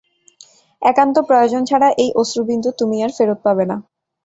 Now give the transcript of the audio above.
একান্ত প্রয়োজন ছাড়া এই অশ্রুবিন্দু তুমি আর ফেরত পাবে না।